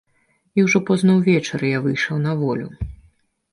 І ўжо позна ўвечары я выйшаў на волю.